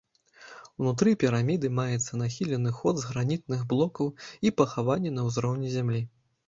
Унутры піраміды маецца нахілены ход з гранітных блокаў і пахаванне на ўзроўні зямлі.